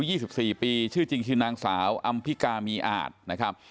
ยี่สิบสี่ปีชื่อจริงชื่อนางสาวอัมพิกามีอาจนะครับ